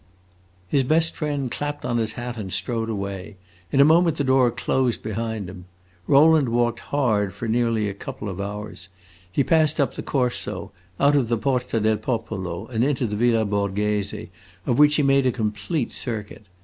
His best friend clapped on his hat and strode away; in a moment the door closed behind him. Rowland walked hard for nearly a couple of hours. He passed up the Corso, out of the Porta del Popolo and into the Villa Borghese, of which he made a complete circuit.